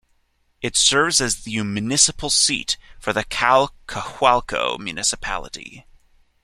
It serves as the municipal seat for the Calcahualco Municipality.